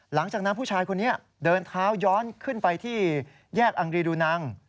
หลังจากนั้นผู้ชายคนนี้เดินเท้าย้อนขึ้นไปที่แยกอังรีดูนัง